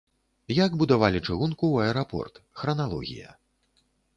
Як будавалі чыгунку ў аэрапорт, храналогія.